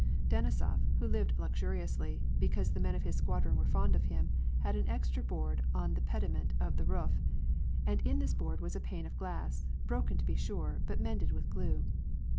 Denisof, who lived luxuriously, because the men of his squad ron were fond of him, had an extra board in the pediment of the roof, and in this board was a pane of glass, broken to be sure, but mended with glue.